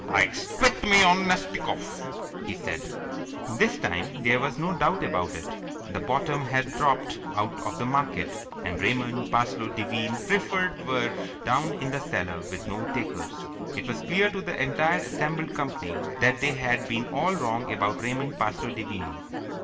"I spit me of Nastikoff!" he said. This time there was no doubt about it. The bottom had dropped out of the market, and Raymond Parsloe Devine Preferred were down in the cellar with no takers. It was clear to the entire assembled company that they had been all wrong about Raymond Parsloe Devine.